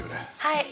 はい。